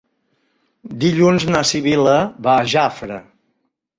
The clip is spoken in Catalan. Dilluns na Sibil·la va a Jafre.